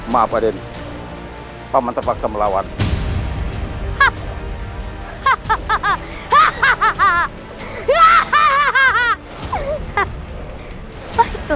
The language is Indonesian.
maaf aden paman terpaksa melawan aden